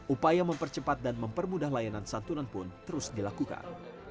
upaya mempercepat dan mempermudah layanan santunan pun terus dilakukan